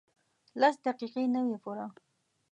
لس دقیقې نه وې پوره.